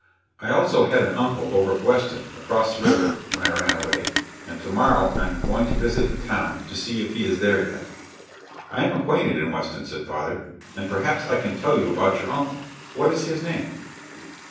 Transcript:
I also had an uncle over at Weston, across the river, when I ran away, and to morrow I am going to visit the town to see if he is there yet." [Illustration: BILLINGS AS A BOCARRO] "I am acquainted in Weston," said father, "and perhaps I can tell you about your uncle. What is his name?"